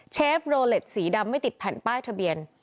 เชฟโรเล็ตสีดำไม่ติดแผ่นป้ายทะเบียน